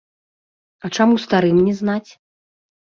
А чаму старым не знаць?